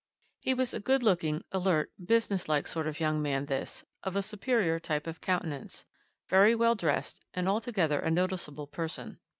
He was a good looking, alert, businesslike sort of young man this, of a superior type of countenance, very well dressed, and altogether a noticeable person.